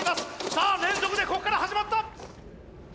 さあ連続でこっから始まった！